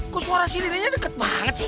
kok suara sininya deket banget sih